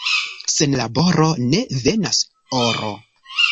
Sen laboro ne venas oro.